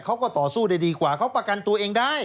เขาก็ต่อสู้ได้ดีกว่าเขาประกันตัวเองได้